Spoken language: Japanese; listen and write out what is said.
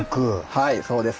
はいそうです。